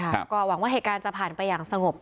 ก็หวังว่าเหตุการณ์จะผ่านไปอย่างสงบ